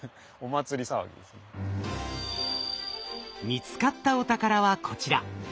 見つかったお宝はこちら。